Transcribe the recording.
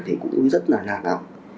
thì cũng rất là là lòng